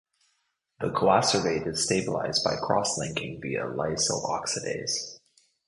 The coacervate is stabilized by cross-linking via lysyl oxidase.